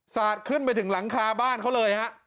สาดขึ้นไปถึงหลังคาบ้านเขาเลยฮะ